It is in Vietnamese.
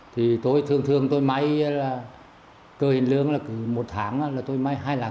thì tôi thường thường tôi may cờ hiền lương là một tháng là tôi may hai là cờ mới